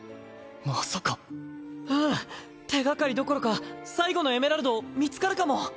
手がかりどころか最後のエメラルド見つかるかも。